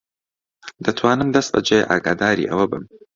دەتوانم دەستبەجێ ئاگاداری ئەوە بم.